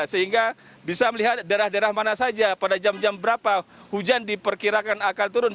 sehingga bisa melihat daerah daerah mana saja pada jam jam berapa hujan diperkirakan akan turun